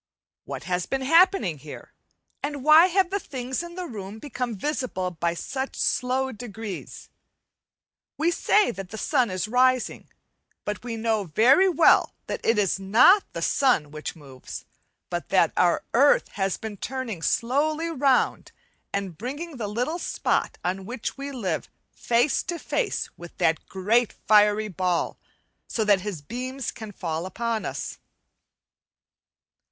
What has been happening here? and why have the things in the room become visible by such slow degrees? We say that the sun is rising, but we know very well that it is not the sun which moves, but that our earth has been turning slowly round, and bringing the little spot on which we live face to face with the great fiery ball, so that his beams can fall upon us.